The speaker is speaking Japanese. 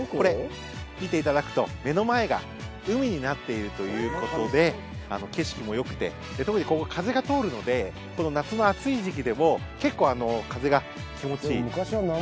見ていただくと、目の前が海になっているということで景色もよくて特にここ、風が通るので夏の暑い時期でも結構、風が気持ちいい。